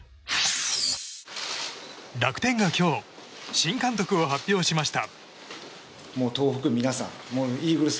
楽天が今日新監督を発表しました。